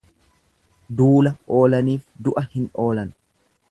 Duula oolaniif du'a hin oolan.